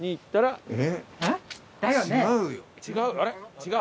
違う？